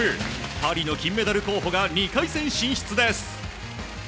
パリの金メダル候補が２回戦進出です。